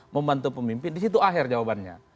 membantu pemimpin disitu akhir jawabannya